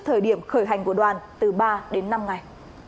thời điểm khởi hành của đoàn từ ba đến năm ngày